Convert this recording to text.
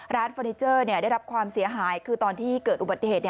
เฟอร์นิเจอร์ได้รับความเสียหายคือตอนที่เกิดอุบัติเหตุ